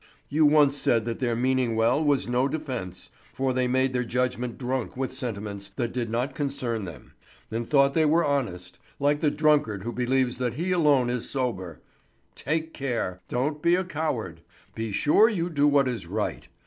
You once said that their meaning well was no defence; for they made their judgment drunk with sentiments that did not concern them, and thought they were honest, like the drunkard who believes that he alone is sober. Take care! Don't be a coward! Be sure you do what is right!